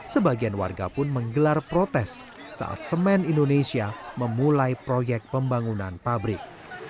sebagian warga pun menggelar protes saat semen indonesia memulai proyek pembangunan pabrik